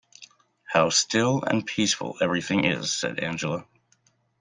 "How still and peaceful everything is," said Angela.